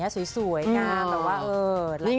ไปดูบรรยากาศคักไปมากกว่าเดิมอีก